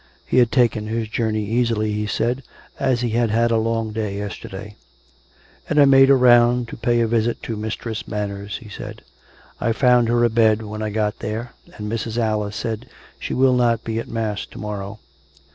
He had taken his journey easily, he said, as he had had a long day yesterday. " And I made a round to pay a visit to Mistress Man ners," he said. " I found her a bed when I got there ; and Mrs. Alice says she will not be at mass to morrow.